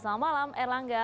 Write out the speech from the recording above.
selamat malam erlangga